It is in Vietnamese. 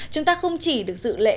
chúng ta không chỉ được dự lễ